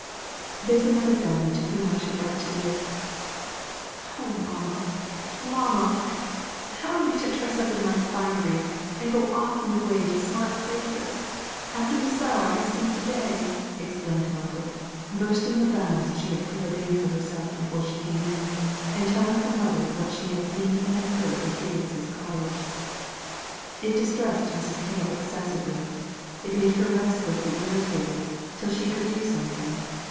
there's another family to whom I should like to give Oh mamma, mamma! how am I to dress up in my finery, and go off and away to smart parties, after the sorrow I've seen to day?" exclaimed Margaret, bursting the bounds she had preordained for herself before she came in, and telling her mother what she had seen and heard at Higgins's cottage. It distressed Mrs. Hale excessively. It made her restlessly irritated till she could do something.